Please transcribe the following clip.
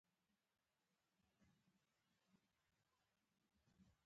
شريف تېز راغی هغه يې په اشارو په ځان پسې وباله.